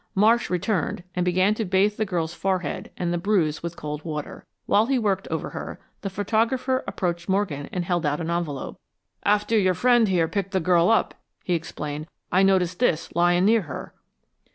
Marsh returned, and began to bathe the girl's forehead and the bruise with the cold water. While he worked over her, the photographer approached Morgan and held out an envelope. "After your friend here picked the girl up," he explained, "I noticed this lying near her."